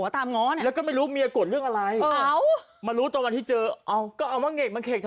ตั้งแต่วันรอยกุฎาทง